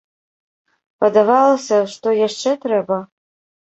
Падавалася, што яшчэ трэба?